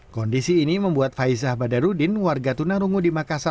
kondisi ini membuat faizah badarudin warga tunarungu di makassar